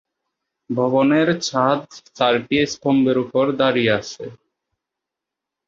ভবনের ছাদ চারটি স্তম্ভের উপর দাঁড়িয়ে আছে।